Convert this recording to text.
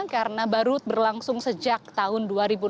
karena baru berlangsung sejak tahun dua ribu enam belas dua ribu tujuh belas